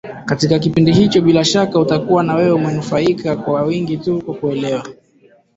katika kipindi hicho bila shaka utakuwa na wewe umenufaika kwa wingi tu kwa kuelewa